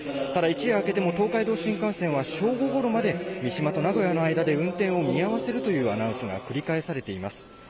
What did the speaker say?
一夜明けても東海道新幹線は、正午ごろまで三島と名古屋の間で運転を見合わせるというアナウンスが繰り返されています。